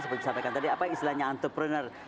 seperti disampaikan tadi apa istilahnya entrepreneur